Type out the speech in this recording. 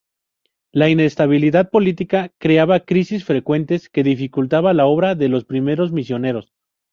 La inestabilidad política creaba crisis frecuentes que dificultaba la obra de los primeros misioneros.